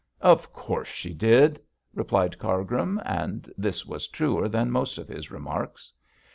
'Of course she did,' replied Cargrim, and this was truer than most of his remarks.